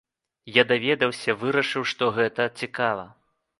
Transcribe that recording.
Я даведаўся, вырашыў, што гэта цікава.